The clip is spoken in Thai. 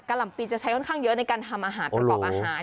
หล่ำปีจะใช้ค่อนข้างเยอะในการทำอาหารประกอบอาหาร